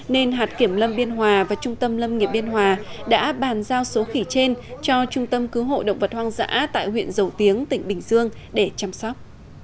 nên hạt kiểm lâm biên hòa và trung tâm lâm nghịa biên hòa đã bàn giao số khỉ trên cho trung tâm cứu hộ động vật hoang dã tại huyện dầu tiếng tỉnh bình dương để chăm sóc